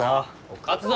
勝つぞ！